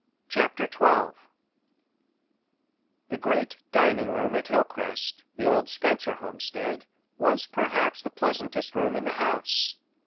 CHAPTER XII The great dining room at Hilcrest, the old Spencer homestead, was perhaps the pleasantest room in the house.